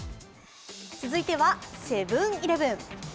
続いてはセブン−イレブン。